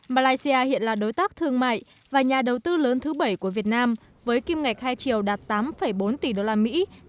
malaysia hiện là đối tác thương mại và nhà đầu tư lớn thứ bảy của việt nam với kim ngạch hai triều đạt tám bốn tỷ usd năm hai nghìn một mươi sáu